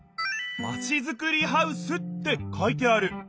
「まちづくりハウス」って書いてある。